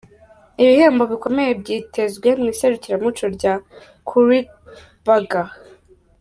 Ibihembo bikomeye byitezwe mu iserukiramuco rya Khouribga.